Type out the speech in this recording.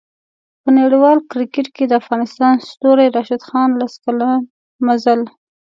په نړیوال کریکټ کې د افغان ستوري راشد خان لس کلن مزل